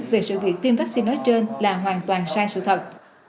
về sự việc tiêm vaccine nói trên là hoàn toàn sai sự thật